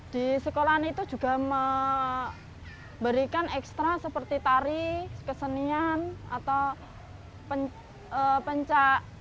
di sekolahan itu juga memberikan ekstra seperti tari kesenian atau penca